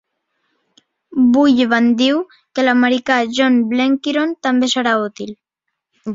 Bullivant diu que l'americà John Blenkiron també serà útil.